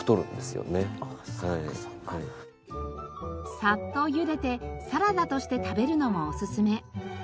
サッとゆでてサラダとして食べるのもおすすめ。